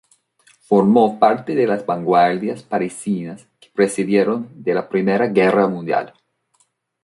Formó parte de las vanguardias parisinas que precedieron la Primera Guerra Mundial.